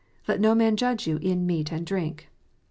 " Let no man judge you in meat and drink."